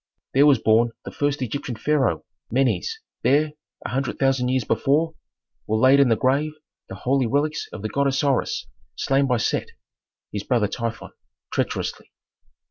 There was born the first Egyptian pharaoh, Menes, there, a hundred thousand years before, were laid in the grave the holy relics of the god Osiris slain by Set (his brother Typhon) treacherously.